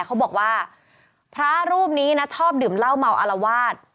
เขาบอกว่าพระรูปนี้นะชอบดื่มเหล้าเมาอารวาส